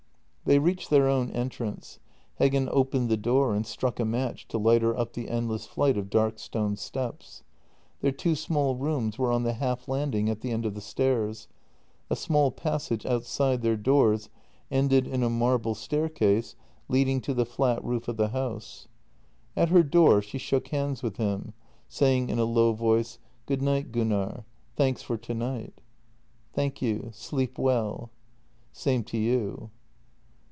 They reached their own entrance. Heggen opened the door and struck a match to light her up the endless flight of dark stone steps. Their two small rooms were on the half landing at the end of the stairs; a small passage outside their doors ended in a marble staircase leading to the flat roof of the house. At her door she shook hands with him, saying in a low voice: "Good night, Gunnar — thanks for tonight." " Thank you. Sleep well." " Same to you."